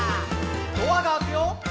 「ドアが開くよ」